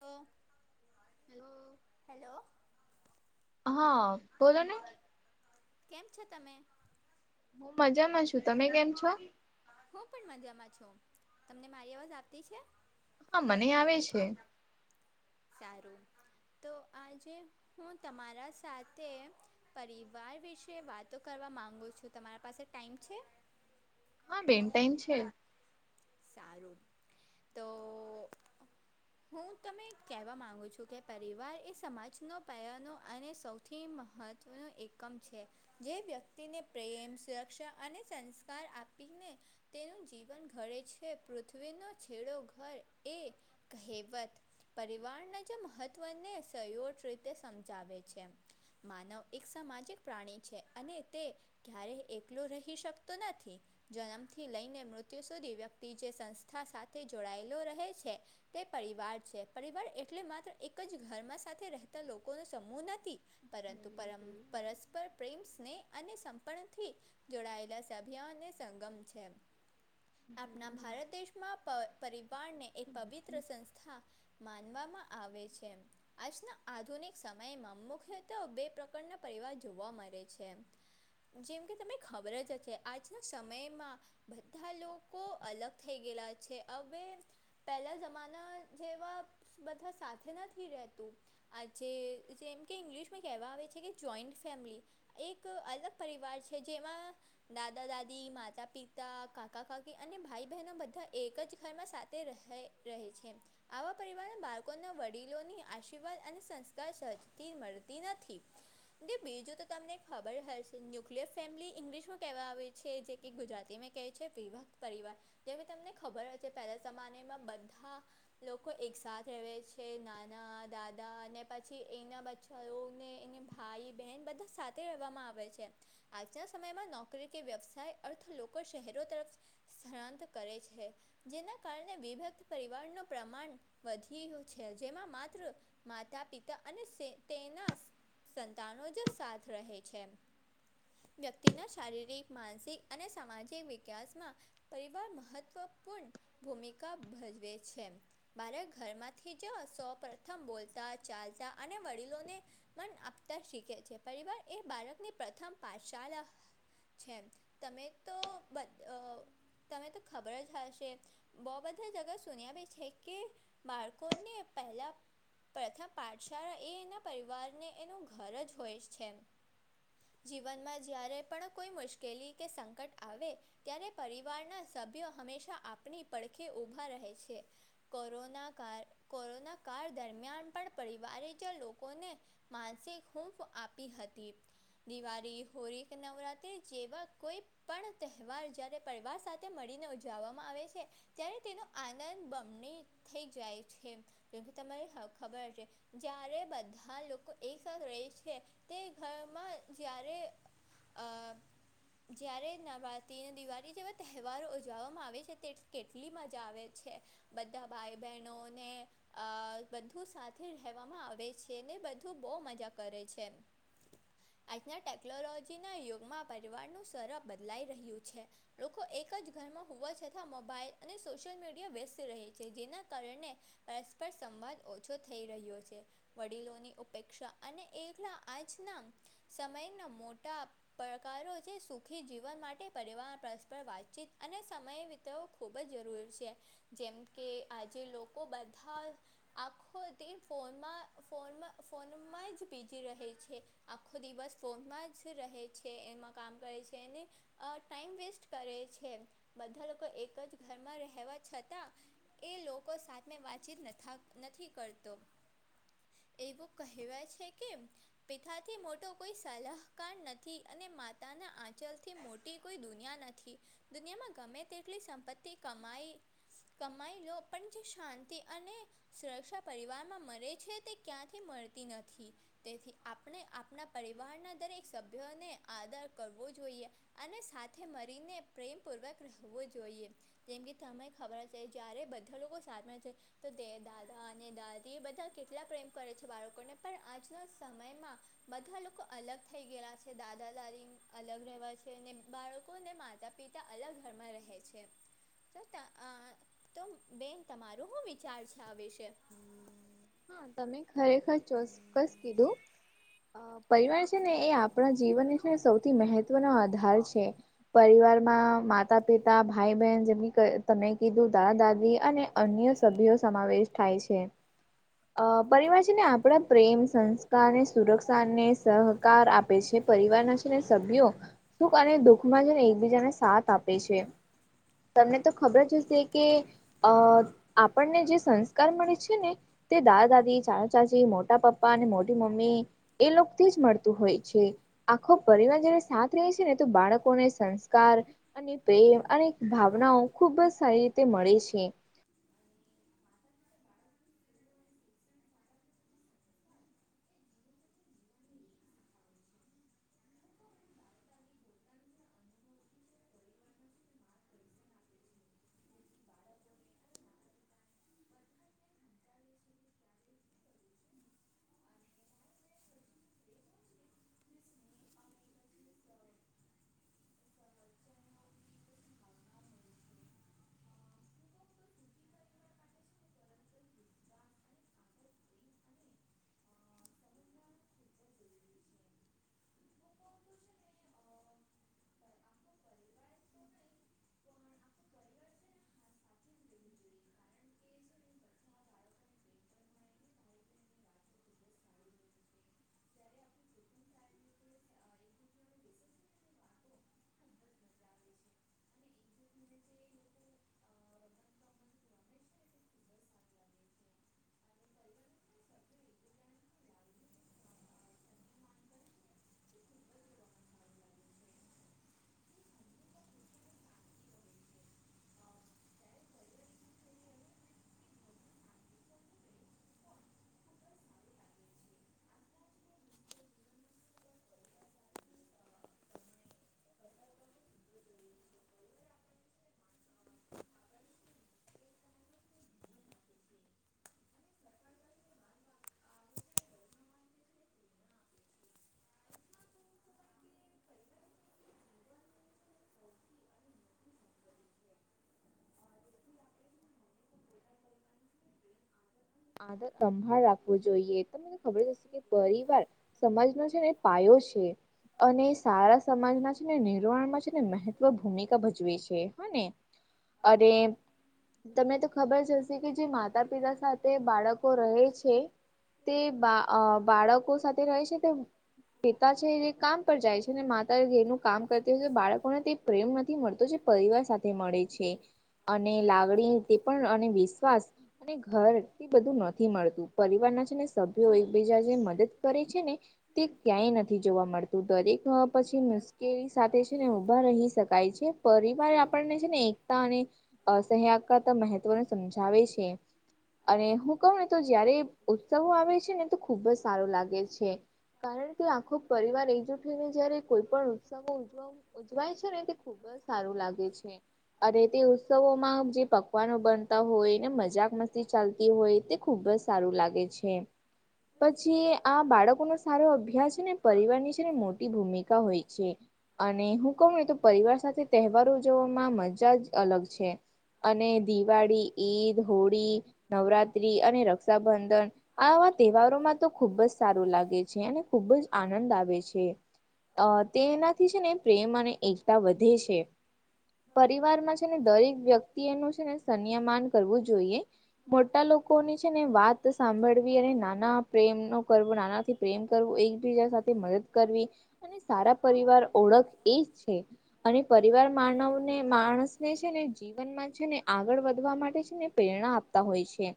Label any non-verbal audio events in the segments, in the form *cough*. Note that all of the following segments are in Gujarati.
લો, હેલો. હા, બોલો ને. કેમ છે તમે? હું મજામાં છું. તમે કેમ છો? હું પણ મજામાં છું. તમને મારી અવાજ આવતી છે? હા મને આવે છે. સારું. તો આજે હું તમારા સાથે પરિવાર વિશે વાતો કરવા માગું છું. તમારા પાસે ટાઈમ છે? હા બેન ટાઈમ છે. સારું, તો હું તમે કહેવા માંગુ છું કે પરિવાર એ સમાજનો પાયાનો અને સૌ થી મહત્ત્વનું એકમ છે. જે વ્યક્તિને પ્રેમ, સુરક્ષા અને સંસ્કાર આપીને તેનું જીવન ઘડે છે. પૃથ્વીનો છેડો ઘર એ કહેવત પરિવારના જે મહત્વને સયોટ રીતે સમજાવે છે એમ. માનવ એક સામાજિક પ્રાણી છે, અને તે ક્યારેય એકલો રહી શકતો નથી. જન્મથી લઈને મૃત્યુ સુધી વ્યક તી જે સંસ્થા સાથે જોડાયેલો રહે છે તે પરિવાર છે પરિવાર એટલે માત્ર એક જ ઘરમાં સાથે રહેતા લોકોનો સમૂહ નથી પરંતુ પરમ પરસ્પર પ્રેમસને અને સંપર્ણથી જોડાયેલા સભ્ય અને સંગમ છે આપણા ભારત દેશમાં પરિવારને એક પવિત્ર સંસ્થા માનવામાં આવે છે આજના આધુનિક સમયમાં મુખ્યત્ બે પ્રકારના પરિવાર જોવા મળે છે જેમ કે તને ખબર જ હશે આજના સમયમાં બધા લોકો કો અલગ થઈ ગયેલા છે હવે પહેલાં જમાના જેવા બધા સાથે નથી રહેતું આ જેે જેમ કે ઇંગ્લિશમાં કહેવા આવે છે કે જોઈન્ટ ફેમિલી એક અલગ પરિવાર છે જેમાં દાદા દાદી માતા પિતા કાકા કાકા અને ભાઈ બહેનો બધા એક જ ઘરમાં સાથે રહે રહે છે આવા પરિવારના બાળકોના વડીલોની આશીર્વાદ અને સંસ્કાર સહજથી મળતી નથી બીજું તો તમને ખબર હશે ન્યુક્લિયર ફેમિલી ઇંગ્લિશમાં કહેવા આવે છે જે કે ગુજરાતીમાં કે છે વિભક્ પરિવાર જે તમને ખબર છે પહેલા જમાનામાં બધા લોકો એકસાથ રહે છે નાના દાદા અનેને પછી એના બચ્ચ ને એને ભાઈ બહેન બધા સાથે રહેેવામાં આવે છે આજના સમયમાં નોકરી કે વ્યવસાય અર્થ લોકો શહેરો તરફ શરાાંત કરે છે જેના કારણે વિભક્ત પરિવારનું પ્રમાણ વધી છે જેમાં માત્ર માતા પિતા અને તેના સંતાનો જ સાથ રહે છે વ્યક્તિના શારીરિક માનસિક અને સામાજિક વિકાસમાં પરિવાર મહત્ત્વપૂર્ણ ભૂમિકા ભજવે છે મારે ઘરમાંથી જ સૌ પ્ર્રથમ બોલતા ચાલતા અને વડીલોને મન આપતા શીખે છે પરિવાર એ બાળકની પ્રથમ પાશાળા છેમ તમે તો બ તમે તો ખબર જ હશે બહ બધા જગા સુન્યાવે છે કે બાળકોને પહેલા પ્રથમ પાઠશાળા એ એના પરિવારને એનું ઘર જ હોય છે જીવનમાં જ્યારે પણ કોઈ મુશ્કેલી કે સંકટ આવે ત્યારે પરિ પરિવાર ના સભ્ય હંમેશા આપની પડખે ઉભા રહે છે કોરોના કાળ કોરોના કાળ દરમિયાન પણ પરિવારે જ લોકોને માનસિક હૂફ આપી હતી દિવાળી હોળી કે નવરાત્ર્રી જેવા કોઈ પણ તહેવાર જ્યારે પરિવાર સાથે મળીને ઉજવવામાં આવે છે ત્યારે તેનો આનંદ બમણી થઈ જાય છે જોકે તને ખબર છે જય્યારે બધા લોકો એકસા રહે છે તે ઘરમાં જ્યારે જય્યારે નબાતીને દિવાસ અને જેવા તહેવારો ઉજવવામાં આવે છે તે કેટલી મજા આવે છે બધા ભાઈ બહેનોને અ બધુ સાથે રહેવામાં આવે છે ને બધું બહુ મજા કરે છે આજના ટેકનોલોજીના યુગમાં પરિવારનું સર બદલાઈ રહ્યું છે લોકો એક જ ઘરમાં હોવા છતાં મોબાઈલ અને સોશયલ મીડિયા વ્યસ્ત રહે છે જેના કારણે પરસ્પર સંવાદ ઓછો થઈ રહ્યો છે વડીલોની ઉપેક્ષા અને એકલા આજ નામ સમયના મોટા પડકારો છે સુખી જીવન માટે પરિવાર પ્ર પણ વાતચીત અને સમય વિતરવો ખૂબ જ જરૂરી છે. જેમ કે આજે લોકો બધા આખો તે ફોનમાં ફોનમાં ફોનમાં જ બીજી રહે છે આખો દિવસ ફોનમાં જ રહે છે એમાં કામ કરે છે અને ટાઈમ વેસ્ટ કરે છે બધા લોકો એક જ ઘરમાં રહેવા છતાં એ લોકો સાથેમે વાતચીત નથા નથી કરતો. એવું કહેવાય છે કે પિતાથી મોટો કોઈ સલાહકાર નથી અને માતાના આંચલથી મોટી કોઈ દુનિયા ન થી. દુનિયામાં ગમે તેટલી સંપત્તિ કમાઈ કમાઈ લો પણ જે શાંતિ અને સુરક્ષા પરિવારમાં મરે છે તે ક્યાંથી મળતી નથી. તેથી આપણે આપણા પરિવારના દરેક સભ્યોને આદર કરવો જોઈએ. અને સાથે મરીને પ્રેમપૂર્વક રહેવો જોઈએ. જેમ કે તને ખબર છે જ્યારે બધા લોકો સામે છે તો દે દાદા અને દાદી બધા કેટલા પ્રેમ કરે છે બાળકોને પણ આજના સમયમાં બધા લોકો અલગ થઈ ગયયા છે દાદા દાદી અલગ રહેવા છે ને બાળ કો અને માતા પિતા અલગ ઘરમાં રહે છે છતા આ તો બેન તમારોું શું વિચાર છે આ વિશે? હા તમે ખરેખર ચોક્કસ કીધું. અ પરિવાર છે ને એ આપણા જીવન છે ને સૌથી મહત્વનો આધાર છે. પરિવારમાં માતા પિતા, ભાઈ બેહેન જેમ તમે કીધું દાદા દાદી અને અન્ય સભ્યો સમાવેશ થાય છે. અ પરિવાર છે ને આપણા પ્રેમ સં સ્કાર અને સુરક્ષાને સહકાર આપે છે પરિવારના છે ને સભ્યો સુખ અને દુઃખ માં છેને એકબીજાને સાથ આપે છે. તમને તો ખબર જ હશે કે અ આપણને જે સંસ્કાર મળે છે ને તે દાદા દાદી, ચાચ ચાચી, મોટા પપ્પા ને મોટી મમ્મી એ લોકો થી જ મળતું હોય છે. આખો પરિવાર જ્યારે સાથ રેહ છે ને તો બાળકોને સંસ્કાર અને પ્રેમ અને ભાવનાઓ ખુબ જ સારી રીતે મળે છે. *unintelligible* *inaudible* આદર સંભાળ રાખવો જોઈએ તમને ખબર જ હશે કે પરિવાર સમાજનો છે ને પાયો છે અને સારા સમાજમાં છે ને નિર્વાણમાં છે ને મહત્વ ભૂમિ કા ભજવે છે હ ને? અને તમે તો ખબર જ હશે કે જે માતા પિતા સા થે બાળકો રહે છે. તે બા અ બાળકો સાથે રહે છે તે પિતા છે જે કામ પર જાય છે ને માતા ધેરનું કામ કરતી હોય તો બાળકોને તે પ્રેમ નથી મળતો જે પરિવાર સાથે મળે છે.. અને લાગણી તે પણ અને વિશ્વાસ અને ઘર બધું નથી મળતું પરિવાર ના છે ને સભ્યો એકબીજા જે મદદ કરે છે ને તે ક્યાંય નથી જોવા મળતું દરેક પછી મુશ્કેલી સાથે છે ને ઊભા રહી શકાય છે. પરિવાર આપણને છે ને એકતા અને અ સહયાકારતા મહત્વને સમજાવે છે. અને હું કહું ને તો જ્યારે ઉત્સવો આવે છે ને તો ખુબ જ સારો લાગે છે. કારણ કે આખો પરિવાર એક જૂઠ થઈ ને જ્યારે કોઈ પણ ઉત્સાવો ઉજવા ઉજવાય છે ને તે ખુબ જ સારું લાગે છે. અરે તે ઉત્સવોમાં જે પકવાનો બનતા હોયને મજાક મસ્તી ચાલતી હોય તે ખુબ જ સારું લાગે છે. પછી આ બાળકોનો સારો અભ્યાસ છે ને પરિવાર ની છે ને મોટી ભૂમિકા હોય છે. અને હું કહું ને તો પરિવાર સાથે તહેવારો ઉજવવામાં મજા જ અલગ છે. અને દિવાળી ઈદ હોળી નવરાત્રી અને રક્ષાબંધન, આવા તેહવારોમાં તો ખુબ જ સારું લાગે છે અને ખુબ જ આનંદ આવે છે. અ તેનાથી છે ને પ્રેમ અને એકતા વધે છે. પરિવારના છે ને દરેક વ્યક્તિ એનું છે ને સંનયમાન કરવું જોઈએ. મોટા લોકોની છે ને વાત સાંભળવી અને નાના પ્રેમ નો કરવો નાનાથી પ્રેમ કરવું એકબીજા સાથે મદદ કરવી અને સારા પરિવાર ઓળખ એ જ છે. અને પરિવાર માનવને માણસ ને છે ને જીવનમાં છે ને આગળ વધવા માટે છે ને પ્રેરણા આપ તા હોય છે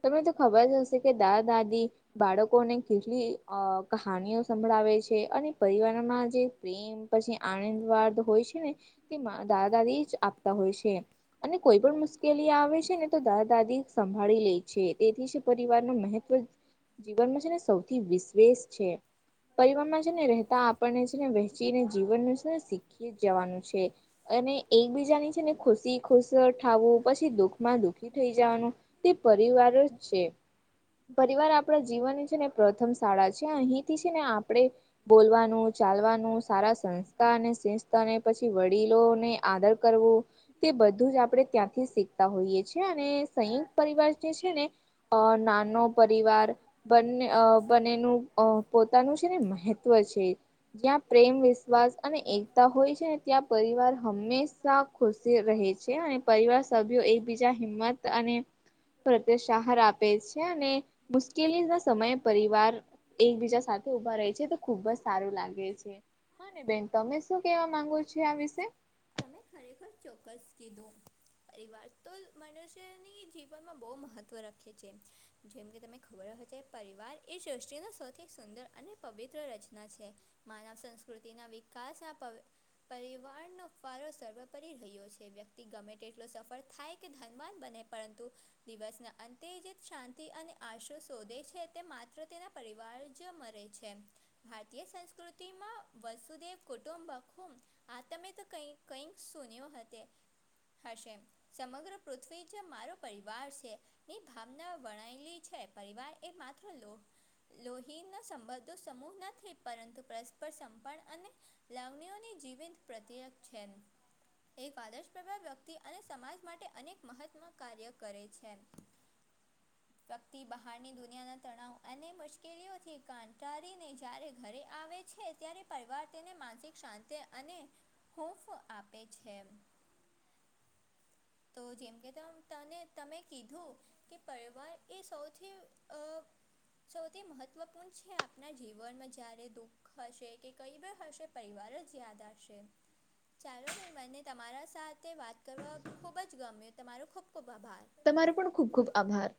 તને તો ખબર હશે કે દાદા દાદી બાળકોને કેટલી અ કહાણી ઓજ સંભળાવે છે અને પરિવારમાં જે પ્રેમ પછી આનંદવાદ હોય છે ને તે દાદા દાદી જ આપતા હોય છે અને કોઈ પણ મુશ્કેલી આવે છે ને તો દાદા દાદી સંભાળી લે છે તેથી જ પરિવાર નું મહત્વ જીવનમાં છે ને સૌથી વિશ્વેષ છે પરિવાર માં છે ને રહેતા આપણને છે ને વહેંચીને જીવનનું છે શીખી જવાનું છે અને એકબીજાની છે ને ખુશી ખુશ થાવું પછી દુઃખ માં દુઃખી થઈ જવાનું તે પરિવાર જ છે. પરિવાર આપણા જીવન ની છે ને પ્રથમ શાળા છે અહીંથી છે ને આપણે બોલવાનું ચાલવાનું સારા સંસ્કાર અને અને પછી વડીલોને આદર કરવું તે બધું જ આપણે ત્યાંથી શીખતા હોઈએ છીએ અને સંયુક્ત પરિવાર જે છે ને અ નાનો પરિવાર બંને અ બને નું પોતાનું છે ને મહત્વ છે. જ્યાં પ્રેમ વિશ્વાસ અને એકતા હોય છે ને ત્યાં પરિવાર હંમેશ શાહ ખુશી રહે છે અને પરિવાર સભ્યો એક બીજા હિંમત અને પ્રત્ય સહાર આપે છે અને મુશ્કેલી ના સમયે પરિવાર એકબીજા સાથે ઉભા રહે છે તો ખુબ જ સારું લાગે છે. હા ને બેન તમે શું કેવા માંગો છો આ વિશે તમે ખરેખર ચોક્કસ કીધુ પરિવાર તો મનુષ્યની જીવનમાં બહુ મહત્વ રાખે છે. જેમ કે તને ખબર હોય સે પરિવાર એ સૃષ્ટિનો સૌથી સુંદર અને પવિત્ર રચના છે. માનવ સંસ્કૃતિના વિકાસના પરી પરિવારનો વારો સર્વપરી રહ્યો છે વ્યક્તિ ગમે તેટલો સફળ થાય કે ધનવાન બને પરંતુ દિવસના અંતે જે શાંતિ અને આશરો શોધે છે તે માત્ર તેના પરિવાર જ મરે છે. ભારતીય સંસ્કૃતિમાં વસુદેવ કુટુંબ આખું આ તમે તો કંઈ કંઈક સૂન્યો હતે, હશે. સમગ્ર પૃથ્વી જે મારો પરિવાર છે. ની ભાવના વર્ણાયેલી છે પરિવાર એ માત્ર લો લોહીના સંબંધો સમૂહ નથી પરંતુ પરસ્પર સંપણ અને લાવણીઓની જીવંત પ્રત્યેક છે એક આદર્શપ્રભાવ વ્યક્તિ અને સમાજ માટે અનેક મહત્મ કાર્ય કરે છે. *inaudible* વ્યક્તિ બહારની દુનિયાના તણાવ અને મુશ્કેલીઓથી કંટારીને જ્યારે ઘરે આવે છે. ત્યારે પરિવાર તેને માનસિક શાંતિ અને હુફ આપે છે. *inaudible* તો જેમ કે ત તને તમે કીધું કે પરિવાર એ સૌથી અ સૌથી મહત્વપૂર્ણ છે આપના જીવનમાં જયારે દુઃખ હશે કે કઈ પણ હશે પરિવાર જ યાદ આવશે. ચાલો ભાઈ મને તમારા સાથે વાત કરવા ખૂબ જ ગમ્યું તમારો ખૂબ ખૂબ આભાર. તમારો પણ ખૂબ ખુબ આભાર.